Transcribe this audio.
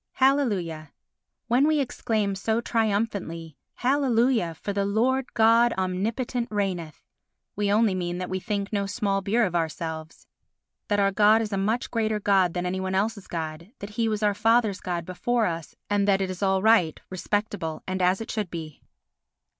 Hallelujah When we exclaim so triumphantly "Hallelujah! for the Lord God omnipotent reigneth" we only mean that we think no small beer of ourselves, that our God is a much greater God than any one else's God, that he was our father's God before us, and that it is all right, respectable and as it should be.